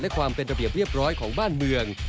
และความเป็นระเบียบเรียบร้อยของบ้านเมือง